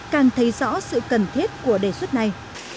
càng thấy rõ sự cần thiết của đề xuất này